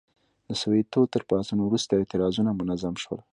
د سووېتو تر پاڅون وروسته اعتراضونه منظم شول.